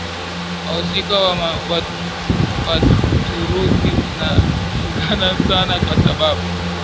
wahusika wa Waturuki zinapingana sana kwa sababu